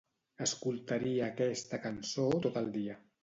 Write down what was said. Escoltaria aquesta cançó tot el dia.